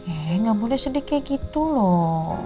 eh gak boleh sedih kayak gitu loh